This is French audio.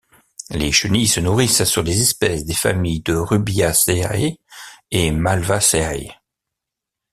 Les chenilles se nourrissent sur les espèces des familles de Rubiaceae et Malvaceae.